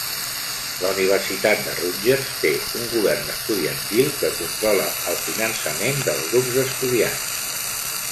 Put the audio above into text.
La Universitat de Rutgers té un govern estudiantil que controla el finançament dels grups d'estudiants.